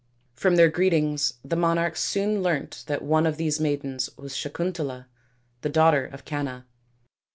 From their greetings the monarch soon learnt that one of these maidens was Sakuntala, the daughter of Canna.